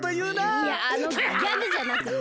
いやあのギャグじゃなくって。